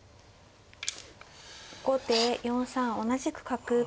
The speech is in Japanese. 後手４三同じく角。